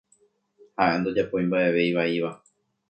Haʼe ndojapói mbaʼeve ivaíva.